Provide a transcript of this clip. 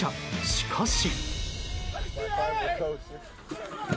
しかし。